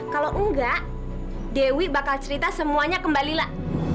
kalau enggak dewi bakal cerita semuanya kembali lah